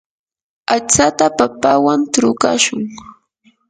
aytsata papawan trukashun.